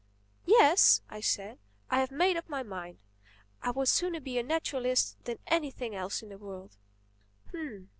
"Yes," I said, "I have made up my mind. I would sooner be a naturalist than anything else in the world."